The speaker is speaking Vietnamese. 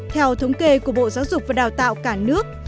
theo thống kê của bộ giáo dục và đào tạo cả nước